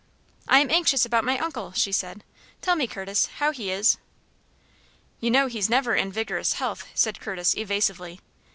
"I am anxious about my uncle," she said. "Tell me, Curtis, how he is." "You know he's never in vigorous health," said Curtis, evasively.